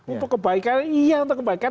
untuk kebaikan iya untuk kebaikan